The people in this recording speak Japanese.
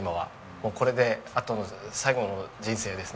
もうこれで最後の人生ですね。